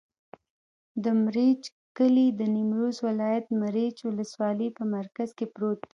د مريچ کلی د نیمروز ولایت، مريچ ولسوالي په مرکز کې پروت دی.